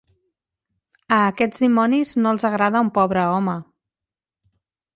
A aquests dimonis no els agrada un pobre home.